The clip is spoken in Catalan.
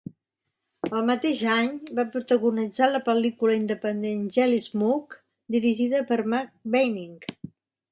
El mateix any, va protagonitzar la pel·lícula independent "Jellysmoke", dirigida per Mark Banning.